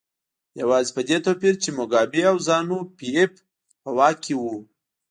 یوازې په دې توپیر چې موګابي او زانو پي ایف په واک کې وو.